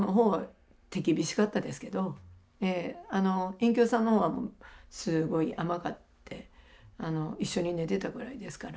隠居さんの方はすごい甘くって一緒に寝てたぐらいですから。